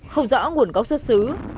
không rõ nguồn gốc xuất xứ